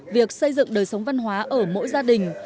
việc xây dựng đời sống văn hóa ở mỗi gia đình